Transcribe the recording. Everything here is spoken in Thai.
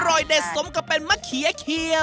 อร่อยเด็ดสมก็เป็นมะเขียว